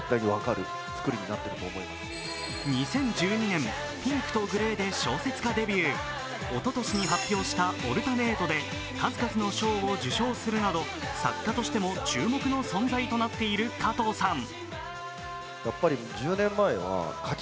２０１２年、「ピンクとグレー」で小説家デビュー、おととしに発表した「オルタネート」で数々の賞を受賞するなど作家としても注目の存在となっている加藤さん。